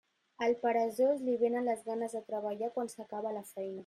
Al peresós, li vénen les ganes de treballar quan s'acaba la feina.